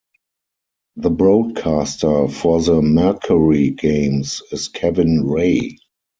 The broadcaster for the Mercury games is Kevin Ray.